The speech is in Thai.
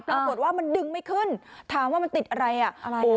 ปรากฏว่ามันดึงไม่ขึ้นถามว่ามันติดอะไรอ่ะอะไร